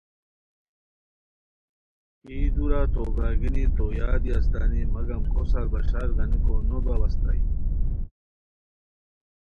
یی دورا تو برارگینی تو یادا استانی، مگم کوسار بشار گانیکو نو باؤ اسیتانی